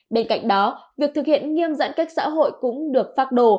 bên cạnh đó việc thực hiện nghiêng giãn cách xã hội cũng được phác đồ